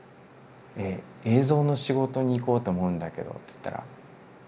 「映像の仕事にいこうと思うんだけど」って言ったら